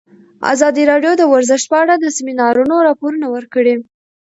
ازادي راډیو د ورزش په اړه د سیمینارونو راپورونه ورکړي.